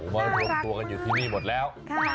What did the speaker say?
มารวมตัวกันอยู่ที่นี่หมดแล้ว